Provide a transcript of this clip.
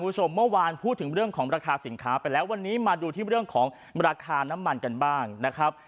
คุณผู้ชมเมื่อวานพูดถึงเรื่องของราคาสินค้าไปแล้ววันนี้มาดูที่เรื่องของราคาน้ำมันกันบ้างนะครับ